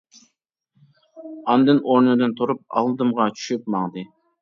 ئاندىن ئورنىدىن تۇرۇپ ئالدىمغا چۈشۈپ ماڭدى.